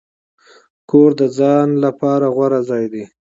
کور د ځان لپاره غوره ځای دی.